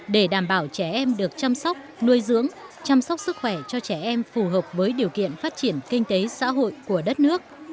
để đảm bảo trẻ em được chăm sóc nuôi dưỡng chăm sóc sức khỏe cho trẻ em phù hợp với điều kiện phát triển kinh tế xã hội của đất nước